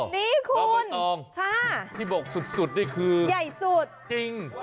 นี่คุณตองที่บอกสุดนี่คือใหญ่สุดจริง